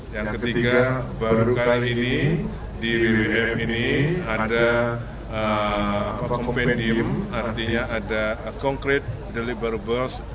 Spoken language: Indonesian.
yang ketiga baru kali ini di wwf ini ada kompendium artinya ada concrete deliverables